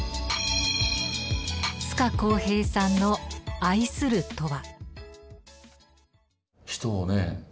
つかこうへいさんの愛するとは？